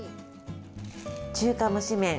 中華蒸し麺。